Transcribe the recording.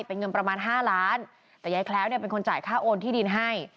เป็นเงินประมาณ๕ล้านบาทแต่แยธิแคล้วเป็นคนจ่ายค่าโอนห้ายที่ดินให้